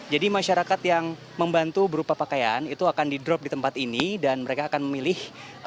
jadi masyarakat yang membantu berupa pakaian itu akan di drop di tempat ini dan mereka akan memilih